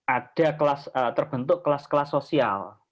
ada terbentuk kelas kelas sosial